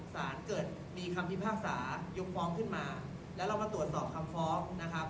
สารเกิดมีคำพิพากษายกฟ้องขึ้นมาแล้วเรามาตรวจสอบคำฟ้องนะครับ